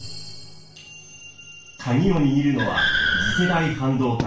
鍵を握るのは次世代半導体。